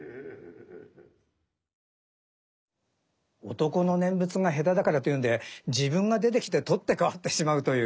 男の念仏が下手だからというんで自分が出てきて取って代わってしまうという。